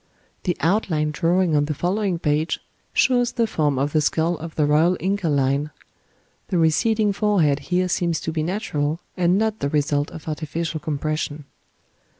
The outline drawing on the following page shows the form of the skull of the royal Inca line: the receding forehead here seems to be natural, and not the result of artificial compression.